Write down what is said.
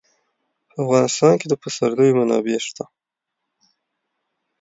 په افغانستان کې د پسرلی منابع شته.